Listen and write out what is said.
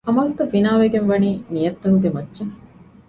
ޢަމަލުތައް ބިނާވެގެން ވަނީ ނިޔަތްތަކުގެ މައްޗަށް